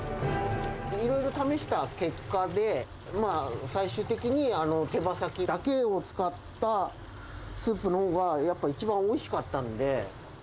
いろいろ試した結果で、最終的に手羽先だけを使ったスープのほうが、やっぱ一番おいしかったんで。